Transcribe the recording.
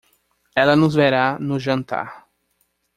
Ela nos verá no jantar.